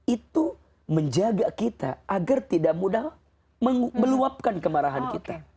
itu menjaga kita agar tidak mudah meluapkan kemarahan kita